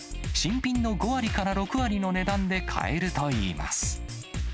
新品の５割から６割の値段で買えるといいます。